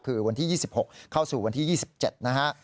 คือวันที่๒๖เข้าสู่วันที่๒๗นะฮะ